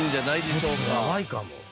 ちょっとやばいかも。